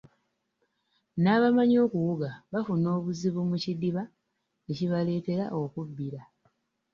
N'abamanyi okuwuga bafuna obuzibu mu kidiba ekibaleetera okubbira.